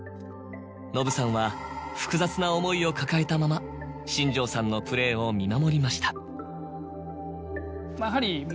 のぶさんは複雑な思いを抱えたまま新庄さんのプレーを見守りました。